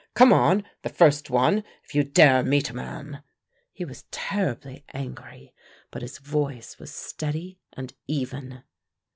Come on, the first one, if you dare meet a man!" He was terribly angry, but his voice was steady and even.